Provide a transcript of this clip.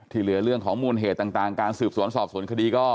เหลือเรื่องของมูลเหตุต่างการสืบสวนสอบสวนคดีก็